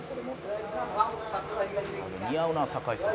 「似合うな酒井さん」